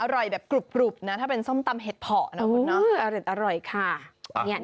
อร่อยแบบกรุบนะถ้าเป็นส้มตำเห็ดเพาะนะคุณเนาะอร่อยค่ะ